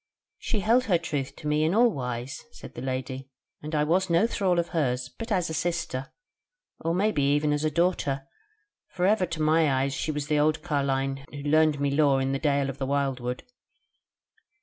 "She held her troth to me in all wise," said the Lady, "and I was no thrall of hers, but as a sister, or it may be even as a daughter; for ever to my eyes was she the old carline who learned me lore in the Dale of the wildwood.